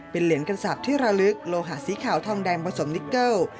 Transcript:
เป็นเหรียญกระสาปที่ระลึกโลหะสีขาวทองแดงผสมนิเกิล